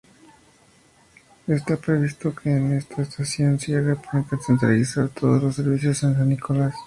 Está previsto que esta estación cierre para centralizar todos los servicios en San Nicolás.